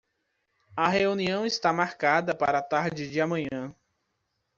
A reunião está marcada para a tarde de amanhã.